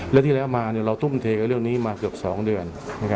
และที่แล้วมาเราทุ่มเทกับเรื่องนี้มาเกือบ๒เดือน